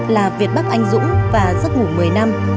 là việt bắc anh dũng và giấc ngủ một mươi năm